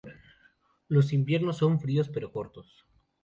Los inviernos son fríos, pero cortos.